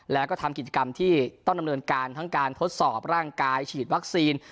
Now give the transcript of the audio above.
แล้วก็ทำกิจกรรมที่ต้องดำเนินการทั้งการทดสอบร่างกายฉีดวัคซีน